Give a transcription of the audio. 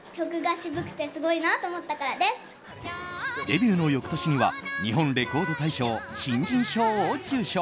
デビューの翌年には日本レコード大賞新人賞を受賞。